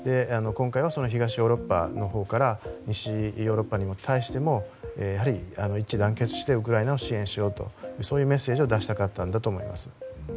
今回は東ヨーロッパのほうから西ヨーロッパに対してもやはり一致団結してウクライナを支援しようというそういうメッセージを出したかったんだと思います。